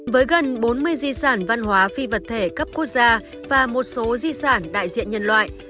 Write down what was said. với gần bốn mươi di sản văn hóa phi vật thể cấp quốc gia và một số di sản đại diện nhân loại